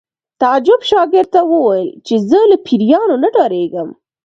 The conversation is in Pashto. تعجب شاګرد ته وویل چې زه له پیریانو نه ډارېږم